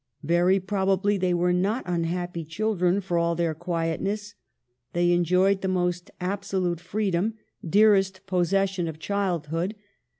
Very probably they were not unhappy children for all their quietness. They enjoyed the most abso lute freedom, dearest possession of childhood.